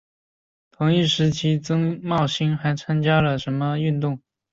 同一时期曾茂兴还参加了苗栗客运司机的罢工运动。